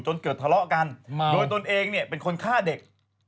จนเกิดทะเลาะกันโดยตนเองเนี่ยเป็นคนฆ่าเด็ก